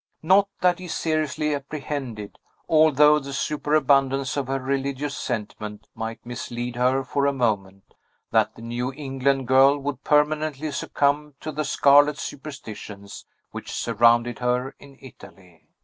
Not that he seriously apprehended although the superabundance of her religious sentiment might mislead her for a moment that the New England girl would permanently succumb to the scarlet superstitions which surrounded her in Italy.